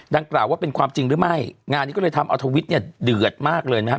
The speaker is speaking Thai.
ดังกล่าวว่าเป็นความจริงหรือไม่งานนี้ก็เลยทำเอาทวิตเนี่ยเดือดมากเลยนะฮะ